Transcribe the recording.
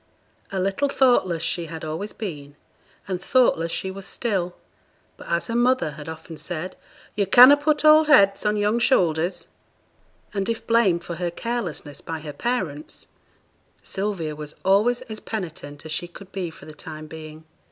A little thoughtless she had always been, and thoughtless she was still; but, as her mother had often said, 'Yo' canna put old heads on young shoulders;' and if blamed for her carelessness by her parents, Sylvia was always as penitent as she could be for the time being.